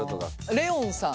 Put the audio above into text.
レオンさん。